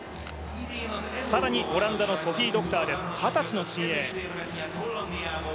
更にオランダのソフィ・ドクター、二十歳の新星です。